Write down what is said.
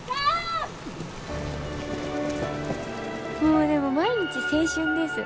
もうでも毎日青春です。